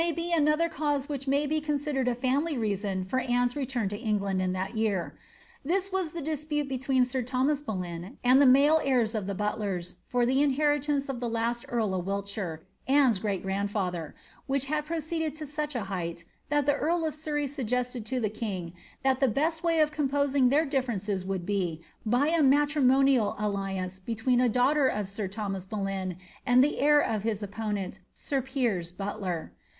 133 ANITB BOLSTH* There was another cause which may be considered a fiunfly reHoa for Anue^s return to England in that year; this was the dispute between sir Thomas Boleyn and the male heirs of the Butlers for the inherilaoet of the last earl of Wiltshire, Anne's great grandfather, which bad pro ceeded to such a height, tliat the carl of Surrey suggested to tbe king that the best way of composing their difierences would be, by a matri monial alliance between a daughter of sir Thomas Boleyn and the heir of his opponent, sir Piers Butler.'